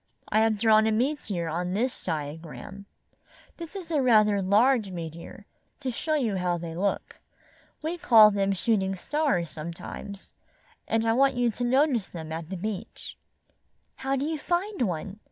"I have drawn a meteor on this diagram. This is rather a large meteor, to show you how they look. We call them shooting stars sometimes, and I want you to notice them at the beach." "How do you find one?"